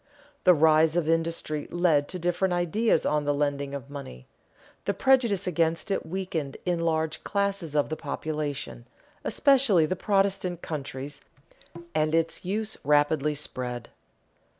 The rise of industry led to different ideas on the lending of money; the prejudice against it weakened in large classes of the population, especially in Protestant countries, and its use rapidly spread.